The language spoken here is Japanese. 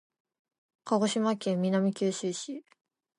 鹿児島県南九州市